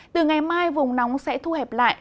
từ ngày mai vùng nóng sẽ thu hẹp lại